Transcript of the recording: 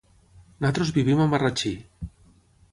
Nosaltres vivim a Marratxí.